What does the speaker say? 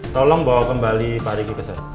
tolong bawa kembali pak riki ke saya